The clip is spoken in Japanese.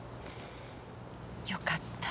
よかった。